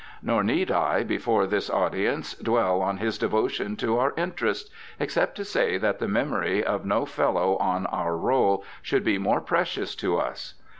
Nor need I, before this audience, dwell on his devotion to our interests, except to say that the memory of no Fellow on our roll should be more precious to us.